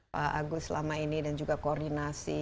pak agus selama ini dan juga koordinasi